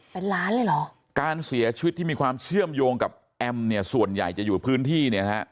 เป็นล้านเลยเหรอการเสียชีวิตที่มีความเชื่อมโยงกับแอมเนี่ยส่วนใหญ่จะอยู่พื้นที่เนี่ยฮะ